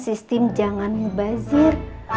istim jangan ngebazir